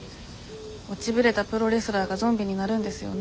落ちぶれたプロレスラーがゾンビになるんですよね？